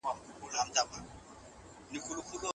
یوازې هوډ او اراده پکار ده.